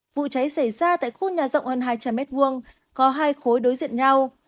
vụ cháy xảy ra tại khu nhà rộng hơn hai trăm linh m hai có hai khối đối diện nhau